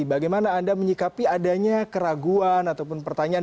bagaimana anda menyikapi adanya keraguan ataupun pertanyaan